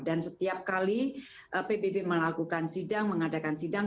dan setiap kali pbb melakukan sidang mengadakan sidang